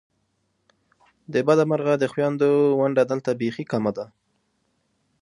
د بده مرغه د خوېندو ونډه دلته بیخې کمه ده !